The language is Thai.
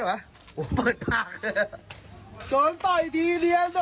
หมด